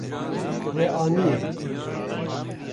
We aniye.